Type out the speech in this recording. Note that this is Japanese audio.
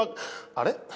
あれ？